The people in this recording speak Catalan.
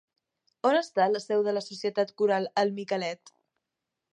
On està la seu de la Societat Coral el Micalet?